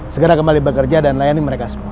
segera kembali bekerja dan layani mereka semua